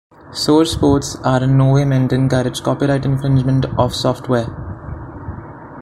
Source ports are in no way meant to encourage copyright infringement of software.